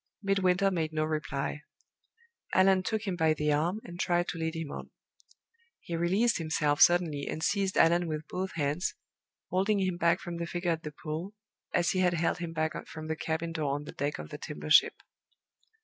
Midwinter made no reply. Allan took him by the arm, and tried to lead him on. He released himself suddenly, and seized Allan with both hands, holding him back from the figure at the pool, as he had held him back from the cabin door on the deck of the timber ship.